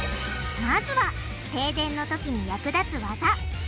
まずは停電のときに役立つワザ！